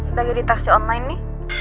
mbak gue lagi di taksi online